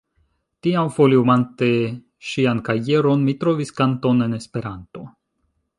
Tiam foliumante ŝian kajeron, mi trovis kanton en Esperanto.